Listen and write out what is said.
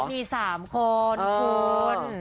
มี๓คนคุณ